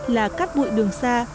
là cắt bụi đường xa